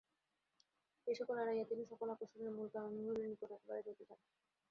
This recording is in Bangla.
এ-সকল এড়াইয়া তিনি সকল আকর্ষণের মূলকারণ হরির নিকট একেবারে যাইতে চান।